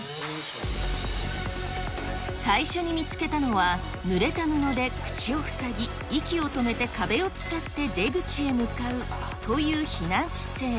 最初に見つけたのは、ぬれた布で口をふさぎ、息を止めて壁を伝って出口へ向かうという避難姿勢。